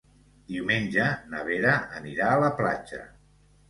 Diumenge na Vera anirà a la platja.